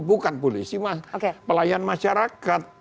bukan polisi pelayan masyarakat